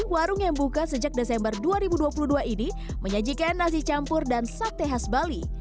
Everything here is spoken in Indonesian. warung yang buka sejak desember dua ribu dua puluh dua ini menyajikan nasi campur dan sate khas bali